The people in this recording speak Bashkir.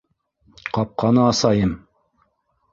Ҡапҡаны асайым!